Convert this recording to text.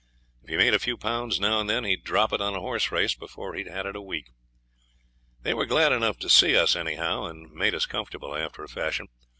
If he made a few pounds now and then he'd drop it on a horse race before he'd had it a week. They were glad enough to see us, anyhow, and made us comfortable, after a fashion.